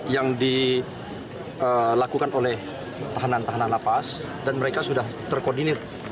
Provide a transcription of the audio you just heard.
yang dilakukan oleh tahanan tahanan lapas dan mereka sudah terkoordinir